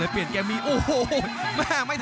รับทราบบรรดาศักดิ์